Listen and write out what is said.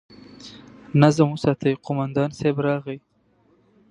نظم وساتئ! قومندان صيب راغی!